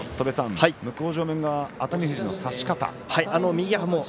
向正面側熱海富士の差し方どうですか。